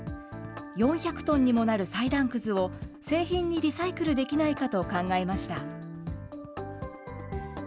４００トンにもなる裁断くずを製品にリサイクルできないかと考えました。